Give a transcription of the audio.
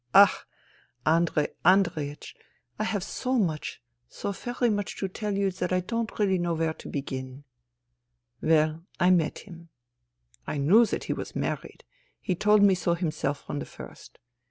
... Ach I Andrei Andreiech, I have so much, so very much to tell you that I don't really know where to begin. ..." Well, I met him. I knew that he was married ; he told me so himself from the first.